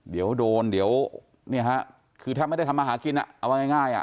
เดี๋ยวโดนเดี๋ยวเนี่ยฮะคือแทบไม่ได้ทำมาหากินเอาว่าง่าย